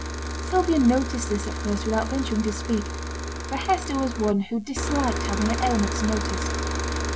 Sylvia noticed this at first without venturing to speak, for Hester was one who disliked having her ailments noticed.